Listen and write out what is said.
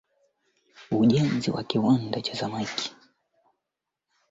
itakuwa si rahisi kwa ecowas kutuma majeshi yao